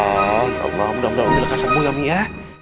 alhamdulillah udah udah umi lekas semua ya umi ya